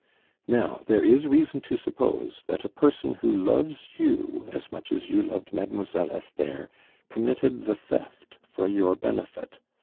"Now there is reason to suppose that a person who loves you as much as you loved Mademoiselle Esther committed the theft for your benefit.